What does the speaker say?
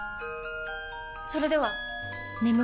それでは！